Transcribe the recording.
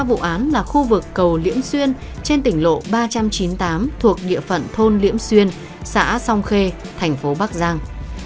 vụ án là khu vực cầu liễm xuyên trên tỉnh lộ ba trăm chín mươi tám thuộc địa phận thôn liễm xuyên xã song khê thành phố bắc giang